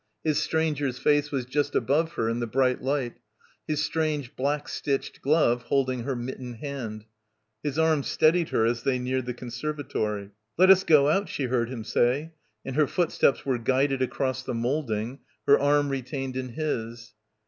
His stranger's face was just above her in the bright light; his strange black stitched glove holding her mittened hand. His arms steadied her as they neared the conservatory. "Let us go out," she heard him say, and her footsteps were guided across the moulding, her arm retained in his.